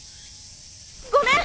ごめん！